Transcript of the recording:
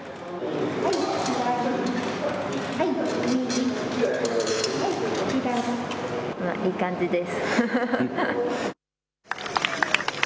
いい感じです。